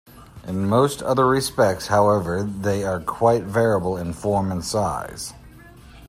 In most other respects, however, they are quite variable in form and size.